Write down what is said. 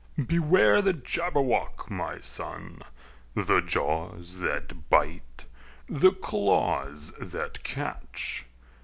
"Beware the Jabberwock, my son! The jaws that bite, the claws that catch!